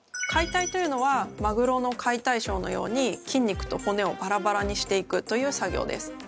解体というのはマグロの解体ショーのように筋肉と骨をバラバラにしていくという作業です。